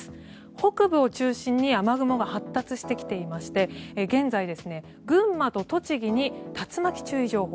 北部を中心に雨雲が発達してきていまして現在、群馬と栃木に竜巻注意情報